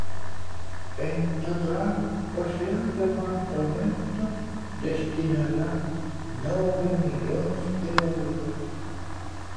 En total, o seu departamento destinará nove millóns de euros.